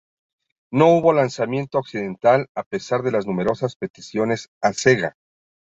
No hubo lanzamiento Occidental, a pesar de las numerosas peticiones a Sega.